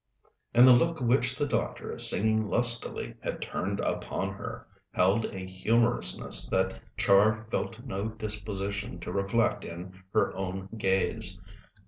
And the look which the doctor, singing lustily, had turned upon her, held a humorousness that Char felt no disposition to reflect in her own gaze.